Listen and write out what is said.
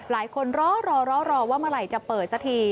รอว่าเมื่อไหร่จะเปิดสักที